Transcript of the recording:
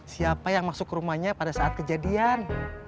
siapa yang masuk ke rumahnya pada saat kejadian